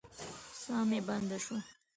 ساه مې بنده شوه.